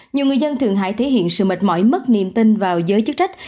nhiều người dân thượng hải thể hiện sự mệt mỏi mất niềm tin vào giới chức trách